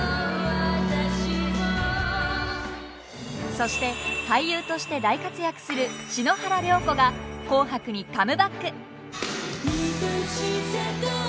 そして俳優として大活躍する篠原涼子が「紅白」にカムバック！